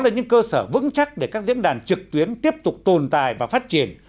là những cơ sở vững chắc để các diễn đàn trực tuyến tiếp tục tồn tại và phát triển